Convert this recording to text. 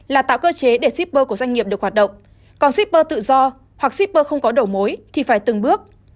là tạo cơ chế để shipper của doanh nghiệp được hoạt động còn shipper tự do hoặc shipper không có đầu mối thì phải từng bước